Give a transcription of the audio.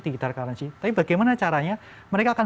digital currency tapi bagaimana caranya mereka akan